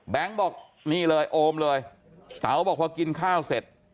บอกนี่เลยโอมเลยเต๋าบอกพอกินข้าวเสร็จ